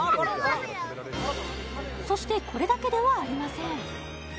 そしてこれだけではありません